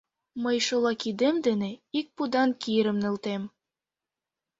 Мый шола кидем дене ик пудан кирым нӧлтем.